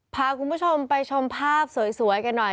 พาคุณผู้ชมไปชมภาพสวยกันหน่อย